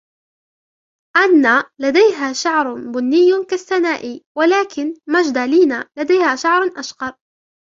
أنّا لديها شعر بُني كستنائي, ولكن ماجدالينا لديها شعر أشقر.